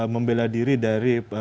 membela diri dari